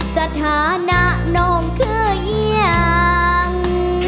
สถานะนองเขือย่าง